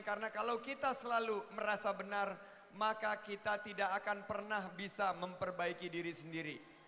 karena kalau kita selalu merasa benar maka kita tidak akan pernah bisa memperbaiki diri sendiri